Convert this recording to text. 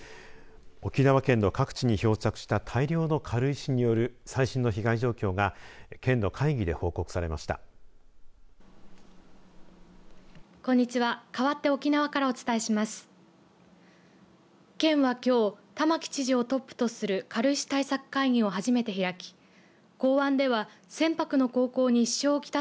沖縄県の各地に漂着した大量の軽石による最新の被害状況が県の会議で報告されました。